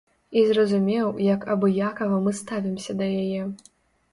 І зразумеў, як абыякава мы ставімся да яе.